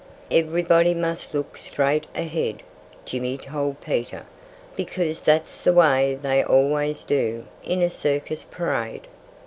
"Everybody must look straight ahead," Jimmy told Peter, "because that's the way they always do in a circus parade."